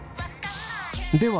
では